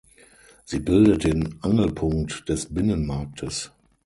Sie bildet den Angelpunkt des Binnenmarktes.